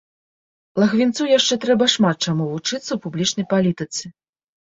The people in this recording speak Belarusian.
Лагвінцу яшчэ трэба шмат чаму вучыцца ў публічнай палітыцы.